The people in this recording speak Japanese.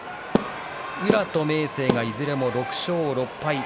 宇良と明生が、いずれも６勝６敗。